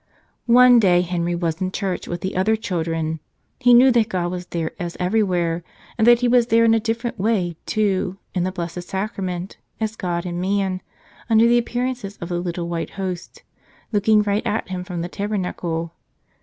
One day Henry was in church with the other chil¬ dren. He knew that God was there as everywhere, and that He was there in a different way, too, in the Blessed Sacrament, as God and Man, under the appear¬ ances of the little white Host, looking right at him from the tabernacle.